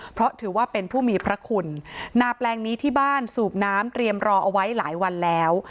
เพราะถือว่าเป็นผู้มีพระคุณนาแปลงนี้ที่บ้านสูบน้ำเตรียมรอเอาไว้หลายวันแล้ว